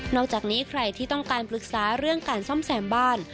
อกจากนี้ใครที่ต้องการปรึกษาเรื่องการซ่อมแซมบ้าน